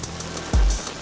kita lebih kayak kan itu